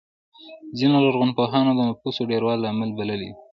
ځینو لرغونپوهانو د نفوسو ډېروالی لامل بللی دی